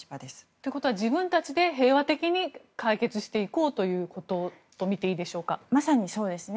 ということは自分たちで平和的に解決していこうというまさにそうですね。